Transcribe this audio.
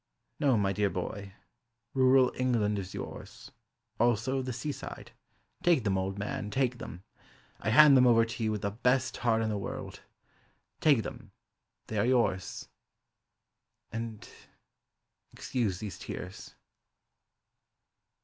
No, my dear boy, Rural England is yours, Also the sea side, Take them, old man, take them; I hand them over to you with the best heart in the world. Take them they are yours And excuse these tears.